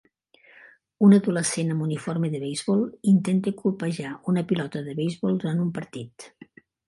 Un adolescent amb uniforme de beisbol intenta colpejar una pilota de beisbol durant un partit.